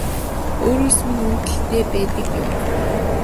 Өөрөөс минь үүдэлтэй байдаг юм